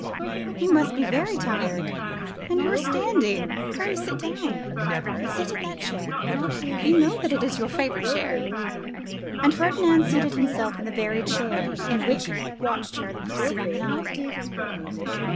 'You must be very tired; and you are standing! pray sit down; sit in that chair; you know that is your favourite chair.' And Ferdinand seated himself in the very chair in which he had watched her the preceding night.